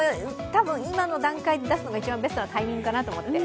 たぶん、今の段階で出すのが一番ベストナタイミングだと思って。